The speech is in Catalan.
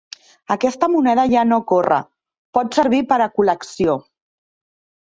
Aquesta moneda ja no corre, pot servir per a la col·lecció.